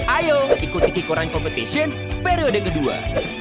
ayo ikuti kekoran competition periode kedua